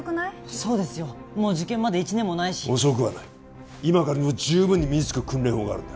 そうですよもう受験まで一年もないし遅くはない今からでも十分に身につく訓練法があるんだ